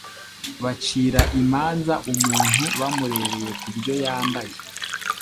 bacira imanza umuntu bamurebeye kubyo yambaye